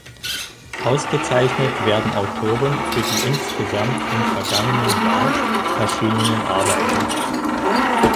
Ausgezeichnet werden Autoren für die insgesamt im vorangegangenen Jahr erschienenen Arbeiten.